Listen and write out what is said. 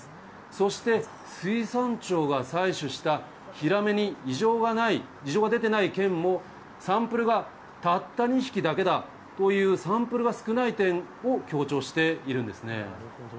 そして、水産庁が採取したヒラメに異常が出てない件も、サンプルがたった２匹だけだという、サンプルが少ない点を強調しなるほど。